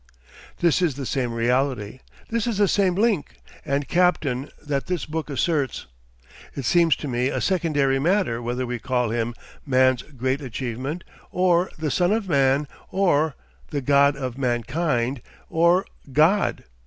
This is the same reality. This is the same Link and Captain that this book asserts. It seems to me a secondary matter whether we call Him "Man's Great Achievement" or "The Son of Man" or the "God of Mankind" or "God."